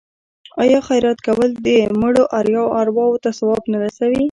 آیا خیرات کول د مړو ارواو ته ثواب نه رسوي؟